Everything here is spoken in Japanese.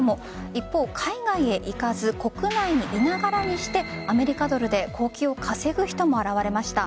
一方、海外へ行かず国内にいながらにしてアメリカドルで高給を稼ぐ人も現れました。